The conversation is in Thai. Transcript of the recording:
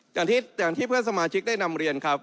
อย่างที่เพื่อนสมาชิกได้นำเรียนครับ